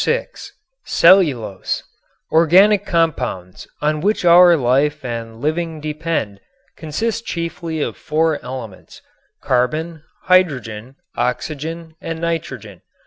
VI CELLULOSE Organic compounds, on which our life and living depend, consist chiefly of four elements: carbon, hydrogen, oxygen and nitrogen.